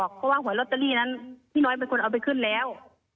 เขาก็เลยว่าแม่เขาบอกว่าให้เอาหอยโรตเตอรี่ให้พี่น้อยเอาไปขึ้นแล้ว